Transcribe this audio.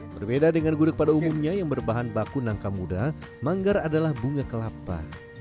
berbeda dengan gudeg pada umumnya yang berbahan baku nangka muda manggar adalah bunga kelapa